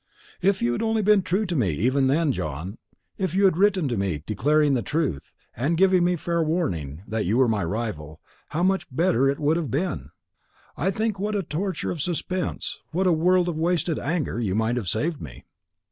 "If you had only been true to me, even then, John; if you had written to me declaring the truth, and giving me fair warning that you were my rival, how much better it would have been! Think what a torture of suspense, what a world of wasted anger, you might have saved me."